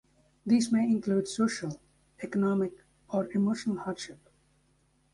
These may include social, economic or emotional hardship.